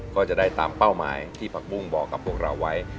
ก็จะได้ตามเป้าหมายที่ผักบุ้งบอกกับพวกเราไว้